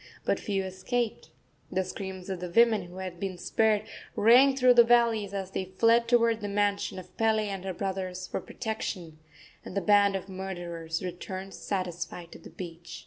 But few escaped. The screams of the women, who had been spared, rang through the valleys as they fled toward the mansion of Pele and her brothers for protection, and the band of murderers returned satisfied to the beach.